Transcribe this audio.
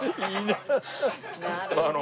なるほど。